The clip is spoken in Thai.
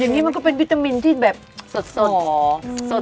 อย่างนี้มันก็เป็นวิตามินที่แบบสด